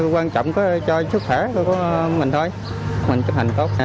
quan trọng cho sức khỏe của mình thôi mình chấp hành tốt